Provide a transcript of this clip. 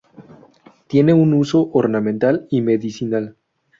Tiene un uso ornamental y medicinal.